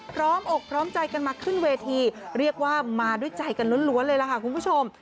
พร้อมอกพร้อมใจกันมาขึ้นเวทีเรียกว่ามาด้วยใจกันล้วนเลยล่ะค่ะคุณผู้ชม